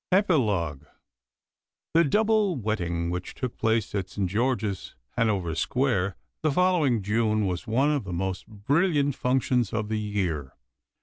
EPILOGUE The double wedding which took place at St George's, Hanover Square, the following June was one of the most brilliant functions of the year.